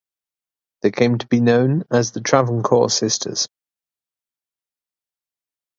They came to be known as the Travancore sisters.